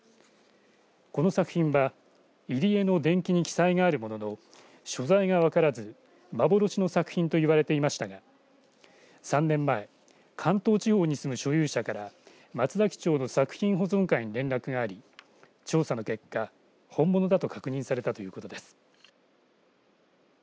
この作品は、入江の伝記に記載があるものの所在が分からず幻の作品と言われていましたが３年前関東地方に住む所有者から松崎町の作品保存会に連絡があり調査の結果本物だと確認されたということです。